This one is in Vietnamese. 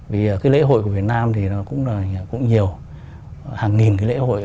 vì lễ hội của việt nam cũng nhiều